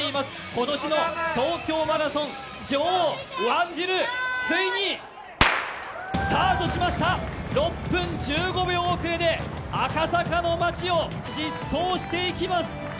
今年の東京マラソン女王、ワンジル６分１５秒遅れで赤坂の街を疾走していきます。